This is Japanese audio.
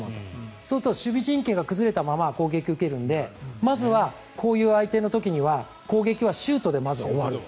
そうすると守備陣形が崩れたまま攻撃を受けるのでまずはこういう相手の時には攻撃はシュートでまず終わる。